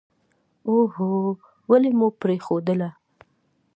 اوهووو ولې مو پرېښودله.